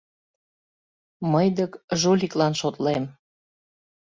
Мый дык жуликлан шотлем.